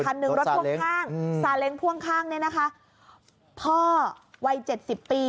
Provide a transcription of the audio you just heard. คันหนึ่งรถพ่วงข้างซาเล้งพ่วงข้างเนี่ยนะคะพ่อวัยเจ็ดสิบปี